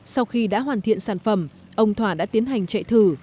sau khi đã hoàn thiện sản phẩm ông thỏa đã tiến hành chạy thử